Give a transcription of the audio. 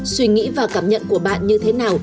suy nghĩ và cảm nhận của bạn như thế nào